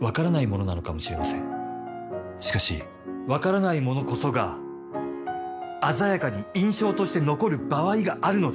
しかし分からないものこそが鮮やかに印象として残る場合があるのだ。